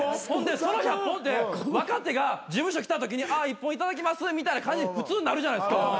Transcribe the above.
ほんでその１００本って若手が事務所来たときに「１本頂きます」みたいな感じ普通なるじゃないですか。